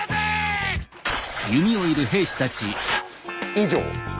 以上。